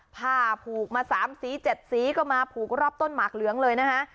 ผ้าผูกมา๓สี๗สีก็มาผูกรอบต้นหมากเหลืองเลยนะฮะ